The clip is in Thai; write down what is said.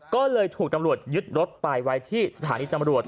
ก็เลยถูกตำรวจยึดรถไปไว้ที่สถานีตำรวจ